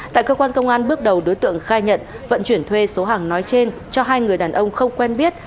tại cơ quan công an bước đầu đối tượng khai nhận vận chuyển thuê số hàng nói trên cho hai người đàn ông không quen biết